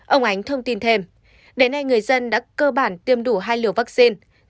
ông ánh thông tin thêm đến nay người dân đã cơ bản tiêm đủ hai liều vaccine